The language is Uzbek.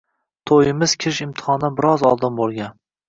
To`yimiz kirish imtihonidan biroz oldin bo`lgan